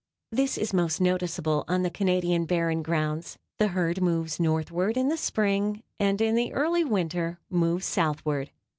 This is most noticeable on the Canadian Barren Grounds. The herd moves northward in spring and in the early winter moves southward.